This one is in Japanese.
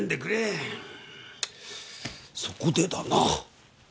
そこでだな。